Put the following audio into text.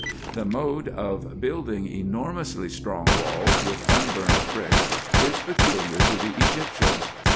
The mode of building enormously strong walls with unburnt bricks is peculiar to the Egyptians.